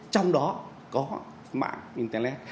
trong đó có mạng internet